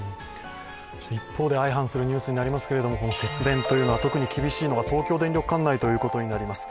一方で相反するニュースになりますけれども、節電というのは特に厳しいのが東京電力管内ということになります。